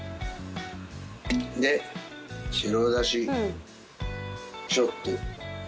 で白だしちょっと。